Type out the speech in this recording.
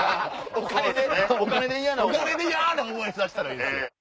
お金で嫌な思いさせたらいい。